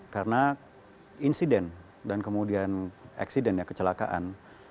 karena insiden dan kemudian eksiden ya kecelakaan